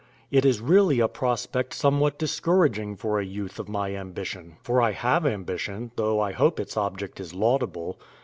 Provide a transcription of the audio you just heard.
It is really a prospect somewhat discouraging for a youth of my ambition (for I have ambition, though I hope its object is laudable).